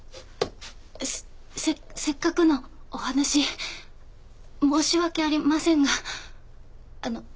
せっかくのお話申し訳ありませんがあのう。